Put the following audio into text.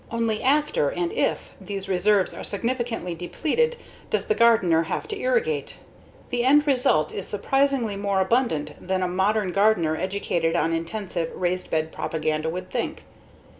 Only after, and if, these reserves are significantly depleted does the gardener have to irrigate. The end result is surprisingly more abundant than a modern gardener educated on intensive, raised bed propaganda would think.